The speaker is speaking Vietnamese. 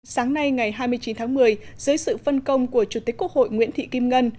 sáng nay ngày hai mươi chín tháng một mươi dưới sự phân công của chủ tịch quốc hội nguyễn thị kim ngân